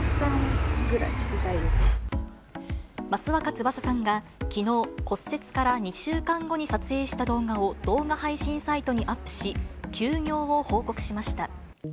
益若つばささんがきのう、骨折から２週間後に撮影した動画を動画配信サイトにアップし、休業を報告しました。